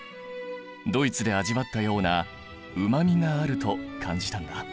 ドイツで味わったようなうま味があると感じたんだ。